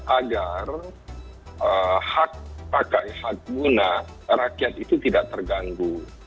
agar hak pakai hak guna rakyat itu tidak terganggu